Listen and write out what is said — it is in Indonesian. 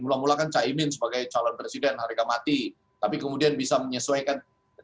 mulai mulakan caimin sebagai calon presiden harika mati tapi kemudian bisa menyesuaikan